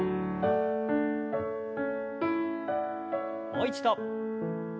もう一度。